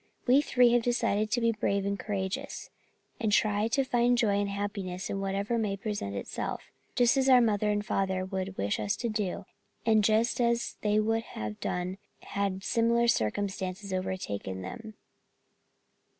We three have decided to be brave and courageous, and try to find joy and happiness in whatever may present itself, just as our mother and father would wish us to do, and just as they would have done had similar circumstances overtaken them."